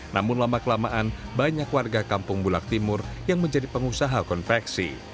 namun lama kelamaan banyak warga kampung bulak timur yang menjadi pengusaha konveksi